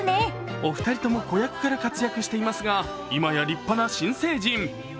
お二人とも子役から活躍していますが、今や立派な新成人。